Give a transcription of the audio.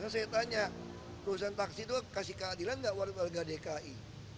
saya tanya perusahaan taksi itu kasih keadilan nggak warga dki